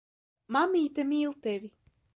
Mammīte mīl tevi.